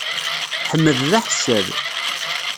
Ḥmed d aḥessad.